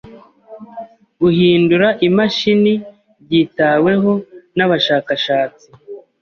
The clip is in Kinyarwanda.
Guhindura imashini byitaweho nabashakashatsi.